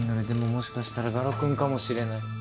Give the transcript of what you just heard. でももしかしたら我路君かもしれない。